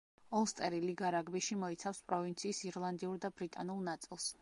ოლსტერი ლიგა რაგბიში მოიცავს პროვინციის ირლანდიურ და ბრიტანულ ნაწილს.